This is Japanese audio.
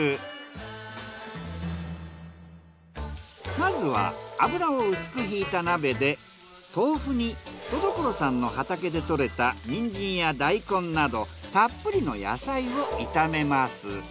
まずは油を薄くひいた鍋で豆腐に都所さんの畑で採れたニンジンや大根などたっぷりの野菜を炒めます。